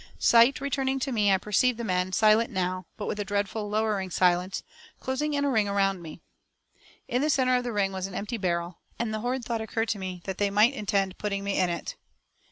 Sight returning to me, I perceived the men, silent now, but with a dreadful, lowering silence, closing in a ring around me. In the centre of the ring was an empty barrel, and the horrid thought occurred to me that they might intend putting me in it.